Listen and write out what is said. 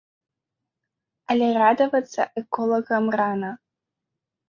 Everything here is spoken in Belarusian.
Але радавацца эколагам рана.